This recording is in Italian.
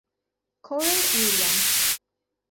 Corey Williams